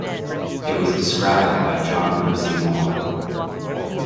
It was described by John Percy Moore.